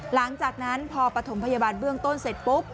หลังจากนั้นพอปฐมพยาบาลเบื้องต้นเสร็จปุ๊บ